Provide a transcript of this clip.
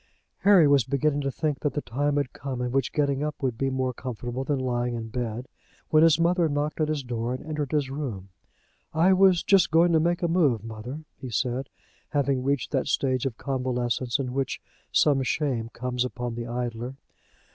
Harry was beginning to think that the time had come in which getting up would be more comfortable than lying in bed, when his mother knocked at his door and entered his room. "I was just going to make a move, mother," he said, having reached that stage of convalescence in which some shame comes upon the idler.